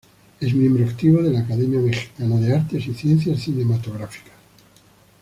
Es miembro activo de la Academia Mexicana de Artes y Ciencias Cinematográficas.